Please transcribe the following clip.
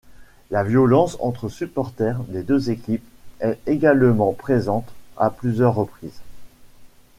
La violence entre supporters des deux équipes est également présente à plusieurs reprises.